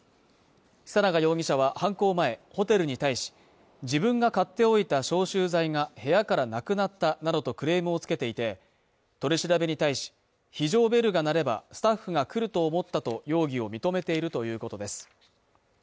久永容疑者は犯行前ホテルに対し自分が買っておいた消臭剤が部屋からなくなったなどとクレームをつけていて取り調べに対し非常ベルが鳴ればスタッフが来ると思ったと容疑を認めているということです